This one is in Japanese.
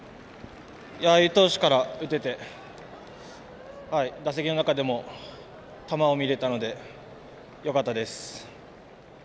ああいう投手から打てて打席の中でも球を見れたのでよかったです。